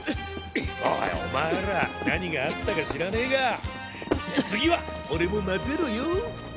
おいお前ら何があったか知らねぇが次は俺も混ぜろよ。